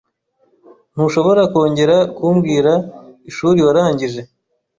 Ntushobora kongera kumbwira ishuri warangije?